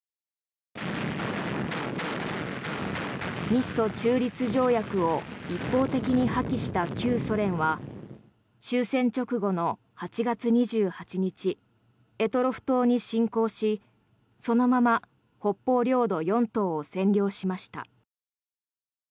日ソ中立条約を一方的に破棄した旧ソ連は終戦直後の８月２８日択捉島に侵攻しそのまま北方領土４島を占領しました。